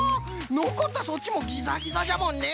のこったそっちもギザギザじゃもんね。